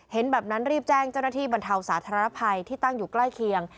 แบบนั้นรีบแจ้งเจ้าหน้าที่บรรเทาสาธารณภัยที่ตั้งอยู่ใกล้เคียง